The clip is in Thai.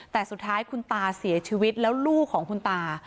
แต่สุดท้ายคุณตาเสียชีวิตแล้วลูกของคุณตา